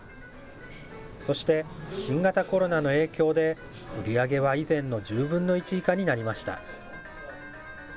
そして新型コロナの影響で、売り上げは以前の１０分の１以下になりました。